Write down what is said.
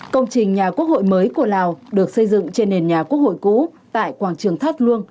công trình nhà quốc hội mới của lào được xây dựng trên nền nhà quốc hội cũ tại quảng trường thát luông